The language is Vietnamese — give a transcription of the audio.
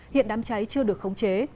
hiện đám cháy chưa được khống chế